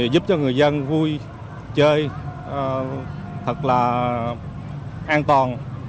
giúp cho người dân vui chơi thật là an toàn